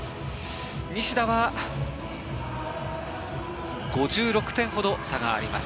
西田は５６点ほど差があります。